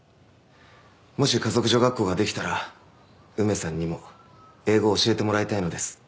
もし華族女学校ができたら梅さんにも英語を教えてもらいたいのです。